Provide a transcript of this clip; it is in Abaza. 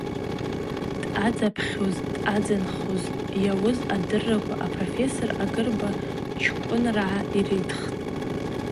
Дъадзапхьуз, дъадзанхуз йауыз адырраква апрофессор Агырба чкӏвыныргӏа йритхитӏ.